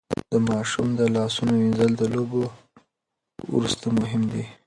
د ماشوم د لاسونو مينځل د لوبو وروسته مهم دي.